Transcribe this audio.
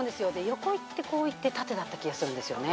横いってこういって縦だった気がするんですよね。